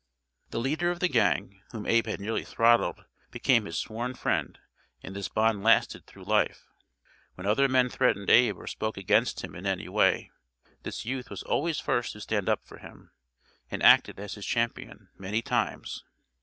The leader of the gang, whom Abe had nearly throttled, became his sworn friend, and this bond lasted through life. When other men threatened Abe or spoke against him in any way, this youth was always first to stand up for him, and acted as his champion many times.